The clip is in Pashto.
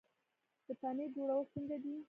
د پنیر جوړول څنګه دي؟